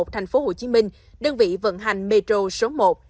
thành phố hồ chí minh đơn vị vận hành metro số một